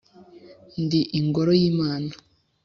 Ndi ingoro y’Imana,